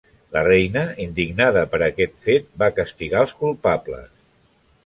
La reina, indignada per aquest fet, va castigar els culpables.